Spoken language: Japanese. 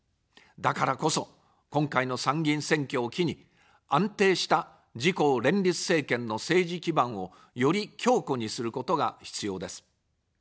だからこそ、今回の参議院選挙を機に、安定した自公連立政権の政治基盤をより強固にすることが必要です。